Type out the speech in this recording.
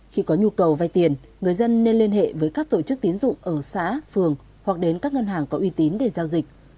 khi có nhu cầu vay tiền người dân nên liên hệ với các tổ chức tiến dụng ở xã phường hoặc đến các ngân hàng có uy tín để giao dịch